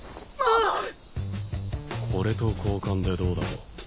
これと交換でどうだろう